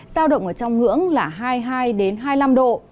giao động ở trong ngưỡng là hai mươi hai hai mươi năm độ